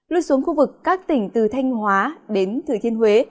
lui xuống khu vực các tỉnh từ thanh hóa đến thừa thiên huế